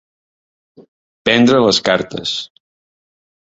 Prendre les cartes.